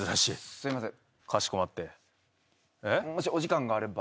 すいません。